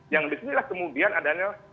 yang disinilah kemudian adanya